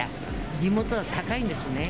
地元じゃ高いんですね。